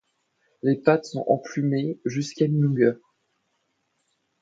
Les pattes sont emplumées jusqu'à mi-longueur.